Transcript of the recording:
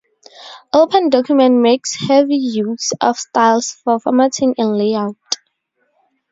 OpenDocument makes heavy use of styles for formatting and layout.